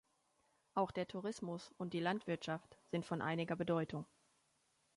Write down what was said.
Auch der Tourismus und die Landwirtschaft sind von einiger Bedeutung.